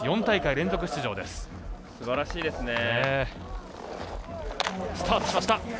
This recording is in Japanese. ４大会連続出場です。